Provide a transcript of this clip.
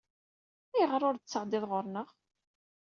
Ayɣer ur d-tettɛeddiḍ ɣer-neɣ?